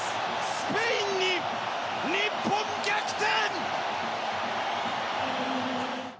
スペインに、日本、逆転！